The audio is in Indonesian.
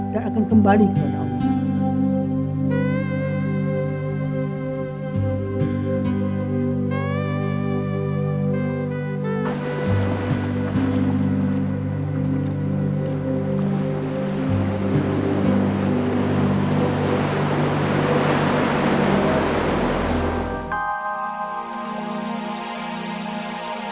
dan akan kembali kepada allah